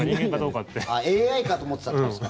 ＡＩかと思ってたってことですか？